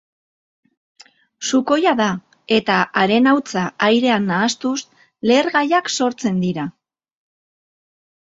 Sukoia da, eta haren hautsa airean nahastuz lehergaiak sortzen dira.